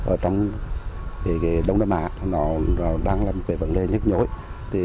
ở trong đông đất mạc đang là một vấn đề nhất nhối